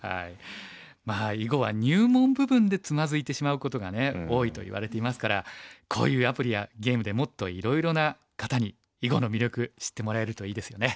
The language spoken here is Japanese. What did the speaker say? まあ囲碁は入門部分でつまずいてしまうことがね多いと言われていますからこういうアプリやゲームでもっといろいろな方に囲碁の魅力知ってもらえるといいですよね。